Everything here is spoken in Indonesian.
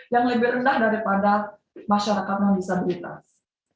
yang lebih rendah daripada masyarakat yang disabilitas